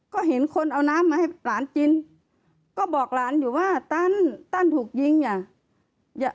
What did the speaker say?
ก็เห็นคนเอาน้ำมาให้หลานกินก็บอกหลานอยู่ว่าตั้นตันตั้นถูกยิงอ่ะ